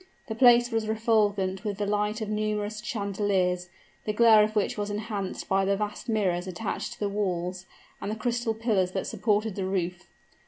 The place was refulgent with the light of numerous chandeliers, the glare of which was enhanced by the vast mirrors attached to the walls, and the crystal pillars that supported the roof.